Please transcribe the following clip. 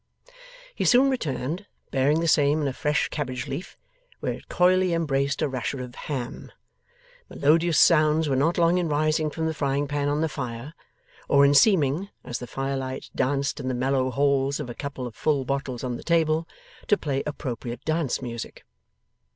He soon returned, bearing the same in a fresh cabbage leaf, where it coyly embraced a rasher of ham. Melodious sounds were not long in rising from the frying pan on the fire, or in seeming, as the firelight danced in the mellow halls of a couple of full bottles on the table, to play appropriate dance music.